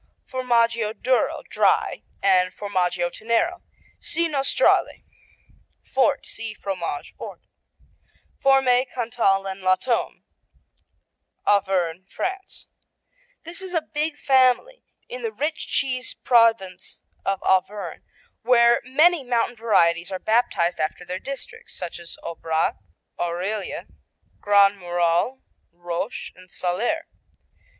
Formaggio Duro (Dry) and Formaggio Tenero see Nostrale. Fort see Fromage Fort. Fourme, Cantal, and la Tome Auvergne, France This is a big family in the rich cheese province of Auvergne, where many mountain varieties are baptized after their districts, such as Aubrac, Aurilla, Grand Murol, Rôche and Salers.